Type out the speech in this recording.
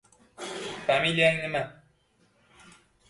— Familiyang nima?